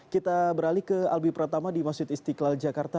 kita beralih ke albi pratama di masjid istiqlal jakarta